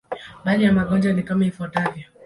Baadhi ya magonjwa ni kama ifuatavyo.